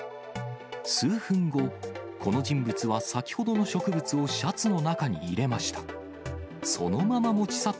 数分後、この人物は先ほどの植物をシャツの中に入れました。